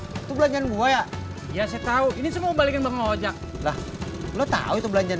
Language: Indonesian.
itu belanjaan gua ya iya saya tahu ini semua balikin bangun aja lah lu tahu itu belanjaan